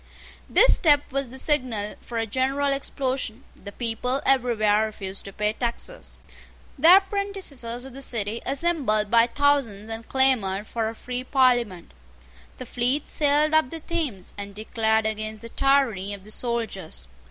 This step was the signal for a general explosion. The people everywhere refused to pay taxes. The apprentices of the City assembled by thousands and clamoured for a free Parliament. The fleet sailed up the Thames, and declared against the tyranny of the soldiers.